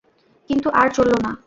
কিন্তু আর চলল না।